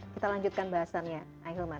kita lanjutkan bahasannya ahilman